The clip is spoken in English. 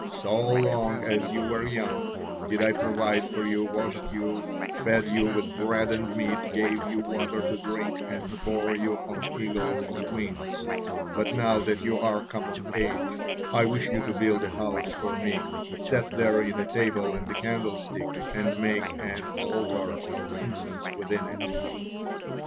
So long as you were young, did I provide for you, washed you, fed you with bread and meat, gave you water to drink, and bore you on eagles' wings; but now that you are come of age, I wish you to build a house for Me, set therein a table and a candlestick, and make an altar of incense within it."